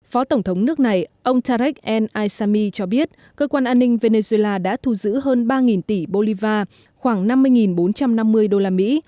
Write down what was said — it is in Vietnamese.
phó tổng thống nước này ông tarek el asami cho biết cơ quan an ninh venezuela đã thu giữ hơn ba tỷ bolivar khoảng năm mươi bốn trăm năm mươi đô la mỹ